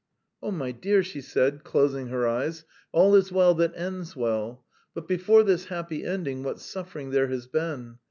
"Oh, my dear," she said, closing her eyes, "all is well that ends well; but before this happy ending, what suffering there has been!